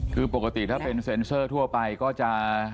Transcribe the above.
คือปกติถ้าเป็นเซ็นเซอร์ทั่วไปก็จะ